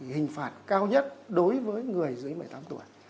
hình phạt cao nhất đối với người dưới một mươi tám tuổi